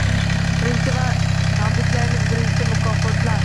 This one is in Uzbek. Birinchi va tabriklaymiz birinchi mukofotlar